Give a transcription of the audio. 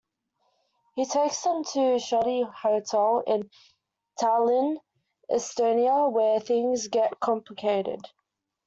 He takes them to a shoddy hotel in Tallinn, Estonia where things get complicated.